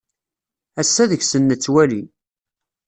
Ass-a deg-sen nettwali.